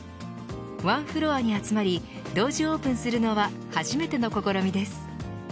ワンフロアに集まり同時オープンするのは初めての試みです。